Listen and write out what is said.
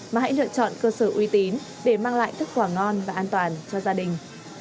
mà hãy lựa chọn cơ sở uy tín để mang lại thức quả ngon và an toàn cho gia đình